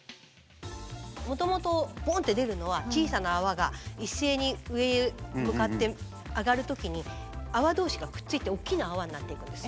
もともとボンって出るのは小さな泡が一斉に上へ向かって上がる時に泡同士がくっついて大きな泡になっていくんです。